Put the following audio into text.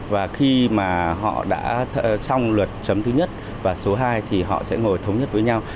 và khi mà họ đã xong luật chấm thứ nhất và số hai thì họ sẽ ngồi thống nhất với nhau